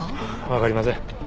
分かりません。